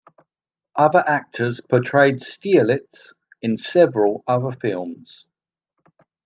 Other actors portrayed Stierlitz in several other films.